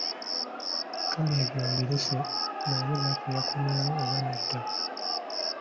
Kale ebyo mbirese naye Lucky yakomyewo oba nedda?